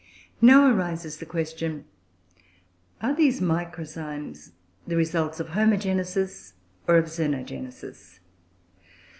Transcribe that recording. Now arises the question, are these microzymes the results of Homogenesis, or of _Xenogenesis?